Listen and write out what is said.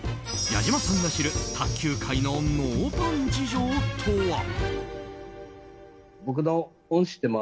矢島さんが知る卓球界のノーパン事情とは。